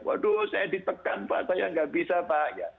waduh saya ditekan pak saya nggak bisa pak